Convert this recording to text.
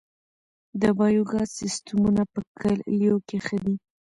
د بایو ګاز سیستمونه په کلیو کې ښه دي